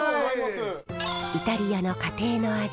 イタリアの家庭の味